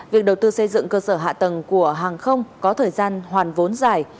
việc đầu tư xây dựng cơ sở hạ tầng của hàng không có thời gian hoàn vốn dài